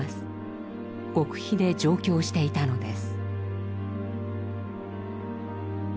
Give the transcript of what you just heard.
極秘で上京していたのです。